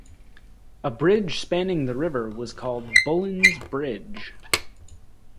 A bridge spanning the river was called "Bullen's Bridge.".